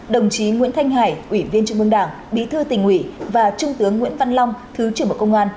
đồng chí nguyễn thanh hải ủy viên trung mương đảng bí thư tỉnh ủy và trung tướng nguyễn văn long thứ trưởng bộ công an